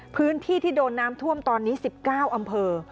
พื้นที่ที่โดนน้ำท่วมตอนนี้๑๙อำเภอ